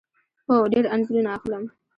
هو، ډیر انځورونه اخلم